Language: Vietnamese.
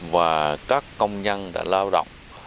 và các công nhân đã lao động